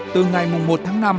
từ ngày một tháng năm